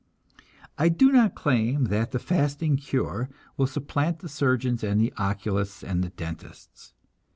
I do not claim that the fasting cure will supplant the surgeons and the oculists and the dentists.